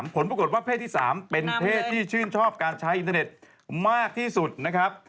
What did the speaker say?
ผลปรากฏว่าเพศที่๓เป็นเพศที่ชื่นชอบการใช้อินเทอร์เน็ตมากที่สุดนะครับ